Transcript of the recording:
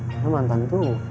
karena mantan itu